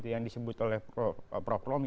yang disebut oleh prof romi